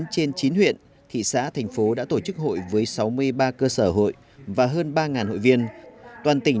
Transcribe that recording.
một mươi trên chín huyện thị xã thành phố đã tổ chức hội với sáu mươi ba cơ sở hội và hơn ba hội viên toàn tỉnh